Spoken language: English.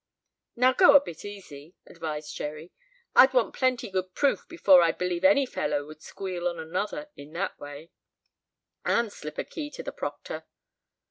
"Now go a bit easy," advised Jerry. "I'd want pretty good proof before I'd believe any fellow would squeal on another in that way and slip a key to the proctor."